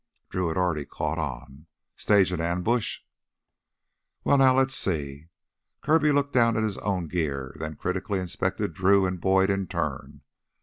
Drew had already caught on. "Stage an ambush?" "Well, now, let's see." Kirby looked down at his own gear, then critically inspected Drew and Boyd in turn.